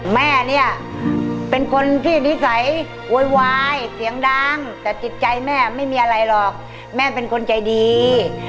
แม่เนี่ยเป็นคนที่นิสัยโวยวายเสียงดังแต่จิตใจแม่ไม่มีอะไรหรอกแม่เป็นคนใจดี